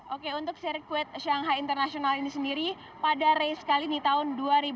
oke untuk sirkuit shanghai international ini sendiri pada race kali ini tahun dua ribu dua puluh